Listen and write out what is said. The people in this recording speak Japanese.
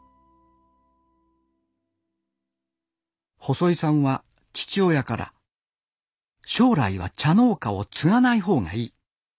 細井さんは父親から「将来は茶農家を継がない方がいい。